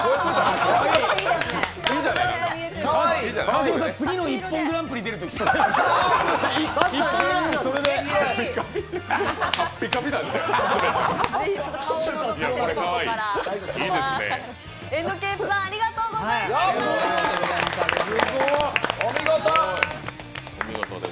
川島さん、次の「ＩＰＰＯＮグランプリ」出るときそれでカピカピになんで。